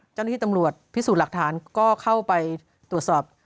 เจ้าหน้าที่ตำรวจพิสูจน์หลักฐานก็เข้าไปตรวจสอบ